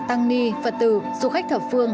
tăng ni phật tử du khách thập phương